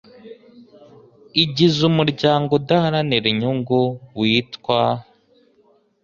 igize Umuryango udaharanira inyungu witwa